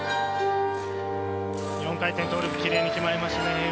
４回転トーループ、きれいに決まりましたね。